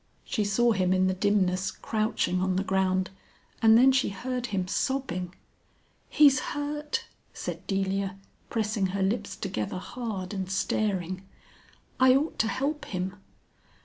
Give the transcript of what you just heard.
She saw him in the dimness crouching on the ground and then she heard him sobbing. "He's hurt!" said Delia, pressing her lips together hard and staring. "I ought to help him."